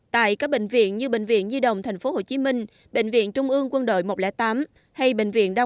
tại các bệnh viện như bệnh viện di động tp hcm bệnh viện trung ương quân đội một trăm linh tám hay bệnh viện đao